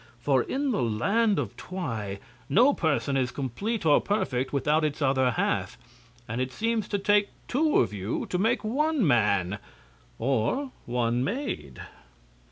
For in the Land of Twi no person is complete or perfect without its other half, and it seems to take two of you to make one man or one maid."